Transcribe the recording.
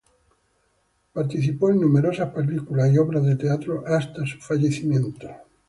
Participó en numerosas películas y obras de teatro hasta su fallecimiento.